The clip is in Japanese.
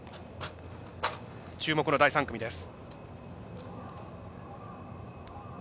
注目の第３組です。